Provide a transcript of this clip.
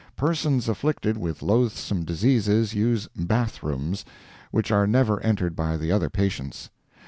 Persons afflicted with loathsome diseases use bath rooms which are never entered by the other patients.